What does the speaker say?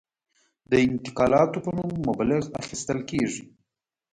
د انتقالاتو په نوم مبلغ اخیستل کېږي.